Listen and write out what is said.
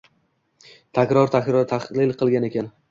takror- takror tahrir qilgan ekan.